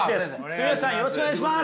住吉さんよろしくお願いします。